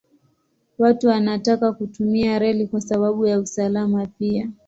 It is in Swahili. Watu wanataka kutumia reli kwa sababu ya usalama pia.